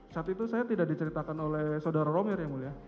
saat itu saya tidak diceritakan oleh saudara romer yang mulia